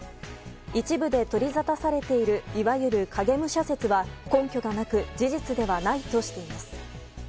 一部で取りざたされているいわゆる影武者説は根拠がなく事実ではないとしています。